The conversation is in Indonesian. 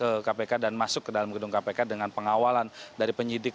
ketua dprd sendiri yang sudah datang ke dalam gedung kpk dengan pengawalan dari penyidik